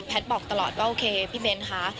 บอกตลอดว่าโอเคพี่เบ้นคะ